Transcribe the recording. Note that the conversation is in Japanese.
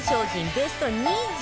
ベスト２０